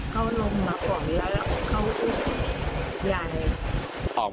เขาลงมาป่อนแล้วเขาอุ้ม